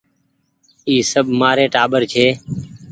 اي سب مآري ٽآٻر ڇي۔